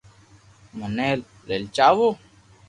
منو لآلچاوُ